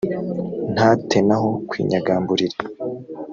nta te n aho kwinyagamburira